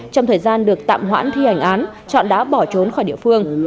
trong thời gian được tạm hoãn thi hành án trọng đã bỏ trốn khỏi địa phương